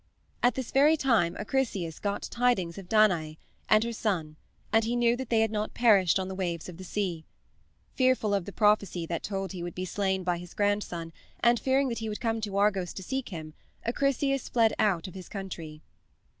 At this very time Acrisius got tidings of Danae, and her son, and he knew that they had not perished on the waves of the sea. Fearful of the prophecy that told he would be slain by his grandson and fearing that he would come to Argos to seek him, Acrisius fled out of his country.